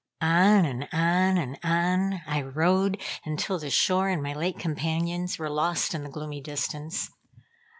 On and on, and on I rowed until the shore and my late companions were lost in the gloomy distance.